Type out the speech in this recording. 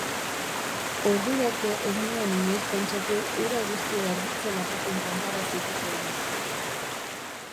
Ordura arte ez nuen inoiz pentsatu hura guztia erditze batekin konpara zitekeenik.